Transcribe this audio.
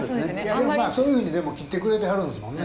そういうふうにね切ってくれてはるんですもんね。